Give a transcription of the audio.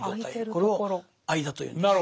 これを「間」というんです。